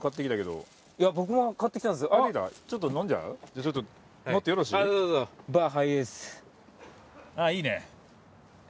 あっいいね。